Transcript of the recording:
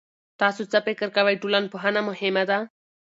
تاسو څه فکر کوئ، ټولنپوهنه مهمه ده؟